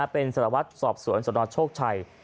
เป็นสถาวัติสอบสวนสนชกชัย